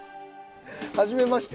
はじめまして？